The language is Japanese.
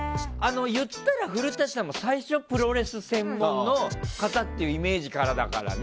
言ったら、古館さんは最初プロレス専門の方っていうイメージからだからね。